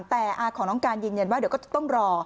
แต่อาของน้องการยืนยันว่าเดี๋ยวก็จะต้องรอ